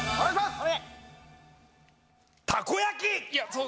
たこ焼き